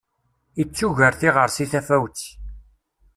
Ittuger tiɣersi tafawet.